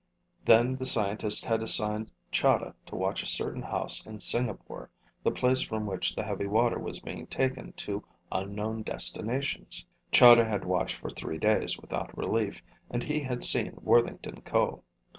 Then the scientist had assigned Chahda to watch a certain house in Singapore, the place from which the heavy water was being taken to unknown destinations. Chahda had watched for three days without relief, and he had seen Worthington Ko.